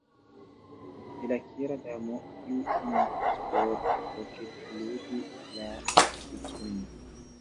De la Kera Damo, kiu invitas por kroketludi la Dukinon.